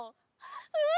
うん！